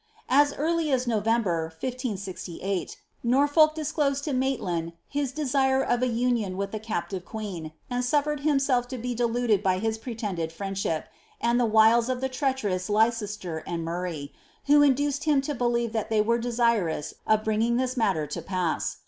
As early as November, 1566, Norfolk disclosed to Maitland his desire of a union with the captive queen, and sufiered himself to be deluded by bit pretended friendship, and the wiles of the treacherous Leicester and Murray, who induced him to believe that they were desirous of bringing this matter to pass.